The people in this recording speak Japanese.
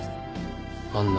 あんな